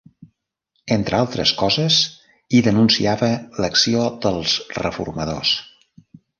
Entre altres coses, hi denunciava l'acció dels reformadors.